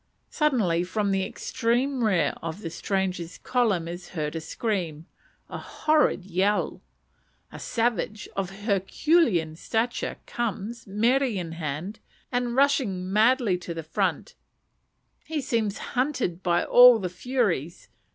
Suddenly from the extreme rear of the strangers' column is heard a scream a horrid yell. A savage, of herculean stature, comes, mere in hand, and rushing madly to the front. He seems hunted by all the furies.